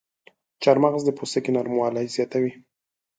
چارمغز د پوستکي نرموالی زیاتوي.